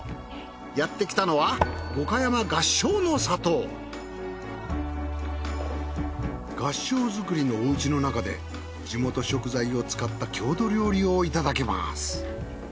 やってきたのは合掌造りのお家の中で地元食材を使った郷土料理をいただけます。